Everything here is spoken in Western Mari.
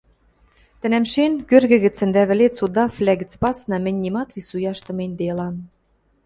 тӹнӓмшен, кӧргӹ гӹцӹн дӓ вӹлец удаввлӓ гӹц пасна, мӹнь нимат рисуяш тыменьделам.